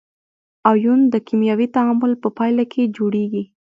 ایون د کیمیاوي تعامل په پایله کې جوړیږي.